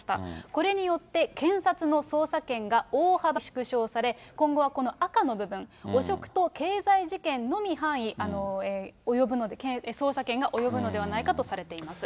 これによって、検察の捜査権が大幅に縮小され、今後はこの赤の部分、汚職と経済事件のみ範囲及ぶので、捜査権が及ぶのではないかとされています。